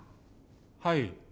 はい。